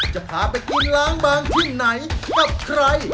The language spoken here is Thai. จะพาไปกินล้างบางที่ไหนกับใคร